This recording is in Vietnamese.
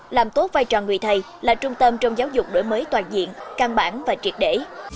làm tốt vai trò người thầy là trung tâm trong giáo dục đổi mới toàn diện căn bản và triệt để